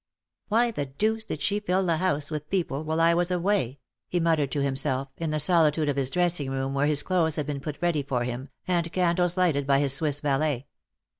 ''Why the deuce did she fill the house with people while I was away," he muttered to himself, in the solitude of his dressing room, where his clothes had been put ready for him, and candles lighted by his Swiss valet.